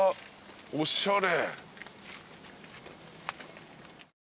おしゃれ。